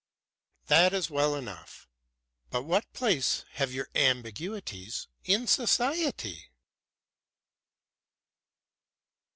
"That is well enough, but what place have your ambiguities in society?"